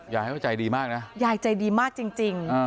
ยายก็ใจดีมากนะยายใจดีมากจริง